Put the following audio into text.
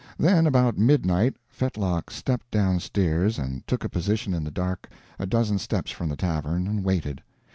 Then, about midnight, Fetlock stepped down stairs and took a position in the dark a dozen steps from the tavern, and waited.